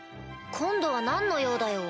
今度は何の用だよ。